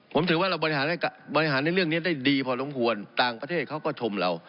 ผมถือว่าเราบริหารในเรื่องนี้ได้ดีพอสมควรต่างประเทศเขาก็ชมเรา